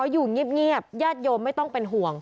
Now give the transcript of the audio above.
อยู่เงียบญาติโยมไม่ต้องเป็นห่วง